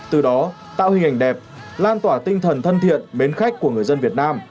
từ đó tạo hình ảnh đẹp lan tỏa tinh thần thân thiện mến khách của người dân việt nam